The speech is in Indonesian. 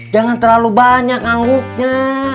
jangan terlalu banyak ngangguknya